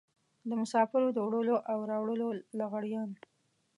د مسافرو د وړلو او راوړلو لغړيان.